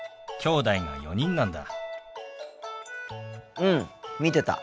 うん見てた。